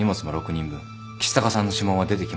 橘高さんの指紋は出てきません。